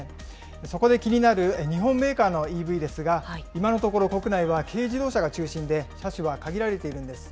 そこで気になる日本メーカーのＥＶですが、今のところ国内は軽自動車が中心で、車種は限られているんです。